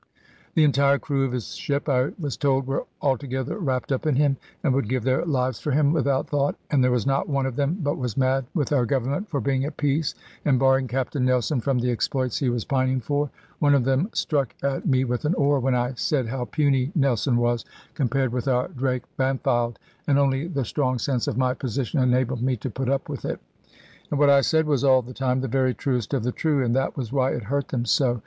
The entire crew of his ship, I was told, were altogether wrapped up in him, and would give their lives for him without thought; and there was not one of them but was mad with our Government for being at peace, and barring Captain Nelson from the exploits he was pining for. One of them struck at me with an oar, when I said how puny Nelson was, compared with our Drake Bampfylde, and only the strong sense of my position enabled me to put up with it. And what I said was all the time the very truest of the true; and that was why it hurt them so.